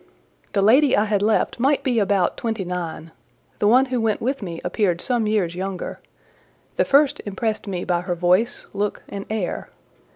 The lady I had left might be about twenty nine; the one who went with me appeared some years younger: the first impressed me by her voice, look, and air.